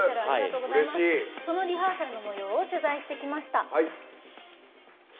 そのリハーサルのもようを取材してきました。